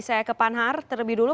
saya ke pak nahar terlebih dulu